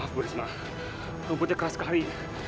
bu risma rumputnya keras sekali